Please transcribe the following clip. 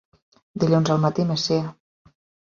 Dilluns al matí, 'monsieur'.